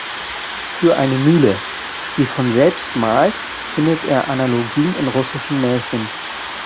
Für eine Mühle, die von selbst mahlt, findet er Analogien in russischen Märchen.